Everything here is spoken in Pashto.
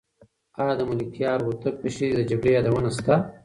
آیا د ملکیار هوتک په شعر کې د جګړې یادونه شته؟